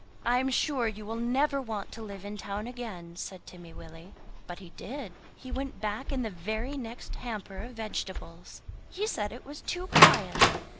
"I am sure you will never want to live in town again," said Timmy Willie. But he did. He went back in the very next hamper of vegetables; he said it was too quiet!!